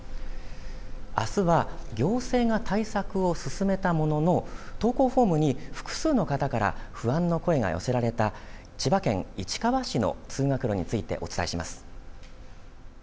あすは行政が対策を進めたものの投稿フォームに複数の方から不安の声が寄せられた千葉県市川市の通学路についてお伝えします。